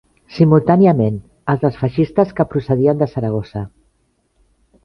Simultàniament, els dels feixistes que procedien de Saragossa.